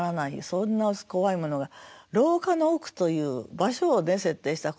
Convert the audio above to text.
そんな怖いものが「廊下の奥」という場所を設定した。